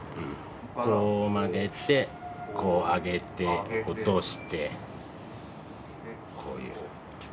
こう曲げてこう上げて落としてこういう。